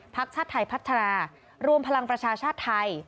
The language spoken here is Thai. ชาติไทยพัฒนารวมพลังประชาชาติไทย